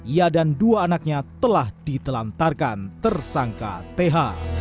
ia dan dua anaknya telah ditelantarkan tersangka th